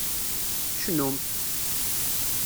Cnumt!